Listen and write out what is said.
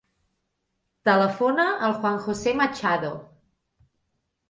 Telefona al Juan josé Machado.